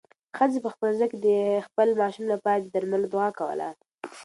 ښځې په خپل زړه کې د خپل ماشوم لپاره د درملو دعا کوله.